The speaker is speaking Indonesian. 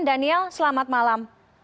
daniel selamat malam